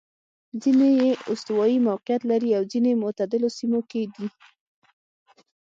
ځیني یې استوايي موقعیت لري او ځیني معتدلو سیمو کې دي.